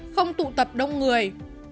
không tụ tập đông người